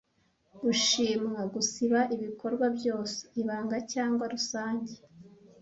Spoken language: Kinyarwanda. Gushimwa gusiba ibikorwa byose, ibanga cyangwa rusange: